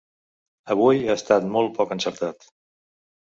Avui ha estat molt poc encertat.